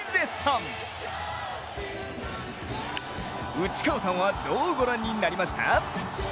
内川さんは、どうご覧になりました？